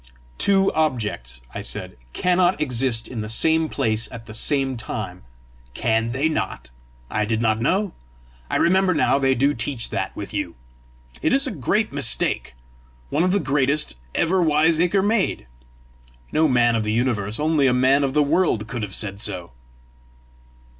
"Two objects," I said, "cannot exist in the same place at the same time!" "Can they not? I did not know! I remember now they do teach that with you. It is a great mistake one of the greatest ever wiseacre made! No man of the universe, only a man of the world could have said so!"